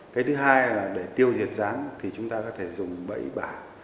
cái thứ hai là để tiêu diệt rán thì chúng ta có thể dùng bậy bả